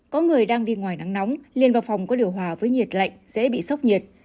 có người đang đi ngoài nắng nóng liên vào phòng có điều hòa với nhiệt lạnh dễ bị sốc nhiệt